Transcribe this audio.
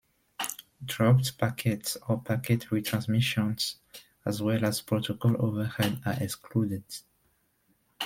Dropped packets or packet retransmissions as well as protocol overhead are excluded.